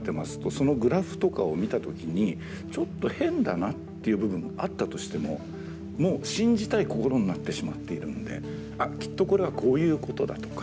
そのグラフとかを見た時にちょっと変だなっていう部分あったとしてももう信じたい心になってしまっているので「あっきっとこれはこういうことだ」とか